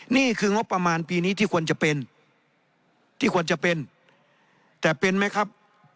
นี่คืองบประมาณปีนี้ที่ควรจะเป็นที่ควรจะเป็นแต่เป็นไหมครับ